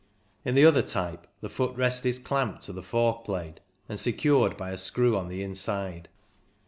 In the other type the foot rest is clamped to the fork blade and secured by a screw on the inside.